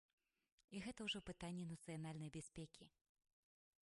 І гэта ўжо пытанні нацыянальнай бяспекі.